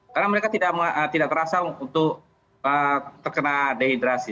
karena mereka tidak terasa terkena dehidrasi